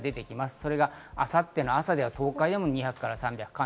それが明後日の朝では、東海でも２００ミリから３００ミリ。